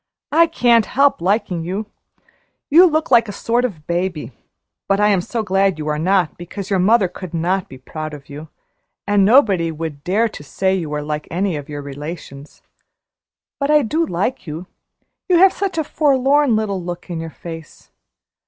"I can't help liking you. You look like a sort of baby, but I am so glad you are not, because your mother could not be proud of you, and nobody would dare to say you were like any of your relations. But I do like you; you have such a forlorn little look in your face.